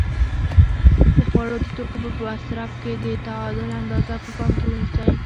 د خوړو د توکو په مصرف کې د تعادل اندازه په پام کې ونیسئ.